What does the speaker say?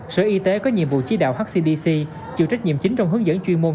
sở y tế có nhiệm vụ chỉ đạo hcdc chịu trách nhiệm chính trong hướng dẫn chuyên môn